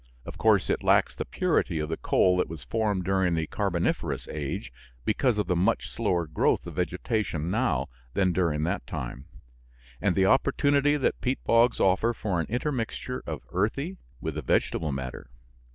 Of course, it lacks the purity of the coal that was formed during the carboniferous age, because of the much slower growth of vegetation now than during that time, and the opportunity that peat bogs offer for an intermixture of earthy with the vegetable matter.